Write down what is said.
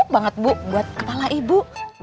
banget bu buat kepala ibu